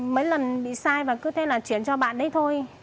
mấy lần bị sai và cứ thế là chuyển cho bạn ấy thôi